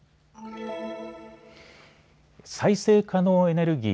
再生可能エネルギー